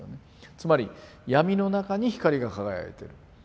つまり闇の中に光が輝いてる。